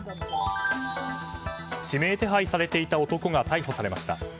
指名手配されていた男が逮捕されました。